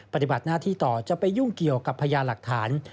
ปฏิบัติหน้าที่ต่อจะไปยุ่งเกี่ยวกับพยานหลักฐาน